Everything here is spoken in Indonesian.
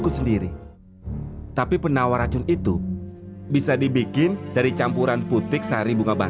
sampai jumpa di video selanjutnya